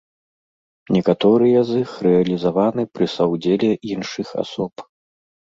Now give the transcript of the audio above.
Некаторыя з іх рэалізаваны пры саўдзеле іншых асоб.